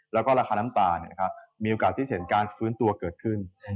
แล้วก็ราคาน้ำตาลมีโอกาสที่จะเห็นการฟื้นตัวเกิดขึ้น